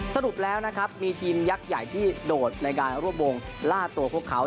สรุปแล้วนะครับมีทีมยักษ์ใหญ่ที่โดดในการรวบวงล่าตัวพวกเขา